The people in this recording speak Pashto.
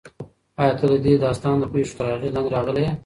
ایا ته د دې داستان د پېښو تر اغېز لاندې راغلی یې؟